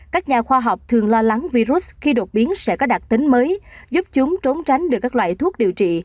các nhà khoa học thường lo lắng virus khi đột biến sẽ có đặc tính mới giúp chúng trốn tránh được các loại thuốc điều trị